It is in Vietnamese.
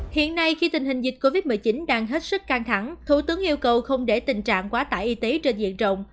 hiện nay khi tình hình dịch covid một mươi chín đang hết sức căng thẳng thủ tướng yêu cầu không để tình trạng quá tải y tế trên diện rộng